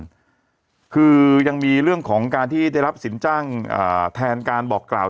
ทำงานครบ๒๐ปีได้เงินชดเฉยเลิกจ้างไม่น้อยกว่า๔๐๐วัน